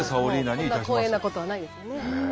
こんな光栄なことはないですね。